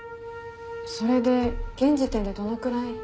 それで現時点でどのくらい？